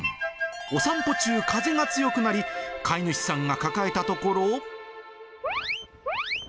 お散歩中、風が強くなり、飼い主さんが抱えたところ。